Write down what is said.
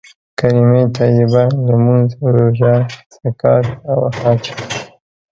کليمه طيبه، لمونځ، روژه، زکات او حج.